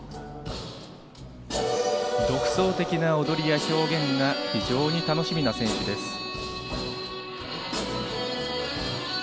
独創的な踊りや表現が非常に楽しみな選手です。